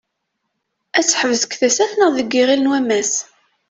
Ad teḥbes deg Tasaft neɣ deg Iɣil n wammas?